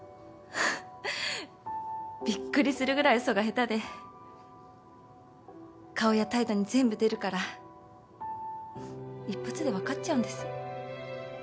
びっくりするぐらい嘘が下手で顔や態度に全部出るから一発で分かっちゃうんです。